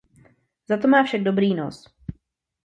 Za to má však dobrý nos.